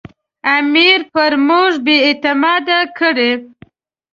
امیر پر موږ بې اعتماده کړي.